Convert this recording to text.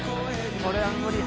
これは無理や。